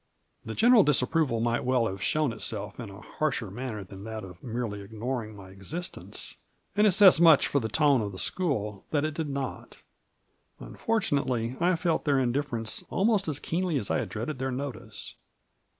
The general disapproval might well have shown itself in a harsher manner than Jbhat of merely ignoring my existence — and it says much for the tone of the school that it did not; unfortunately, 1 felt their indifference almost as keenly as I had dreaded their notice.